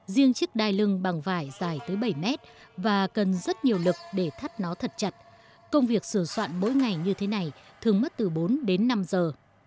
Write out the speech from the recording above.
riêng chiếc đai lưng bằng vải dài tới bảy mét và cần rất nhiều lực để thắt nó thật chặt công việc sửa soạn mỗi ngày như thế này thường mất từ bốn đến năm giờ